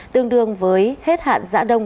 tương đương với hết hạn giã đông